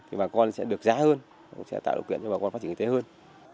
thì bà con sẽ được giá hơn sẽ tạo điều kiện cho bà con phát triển kinh tế hơn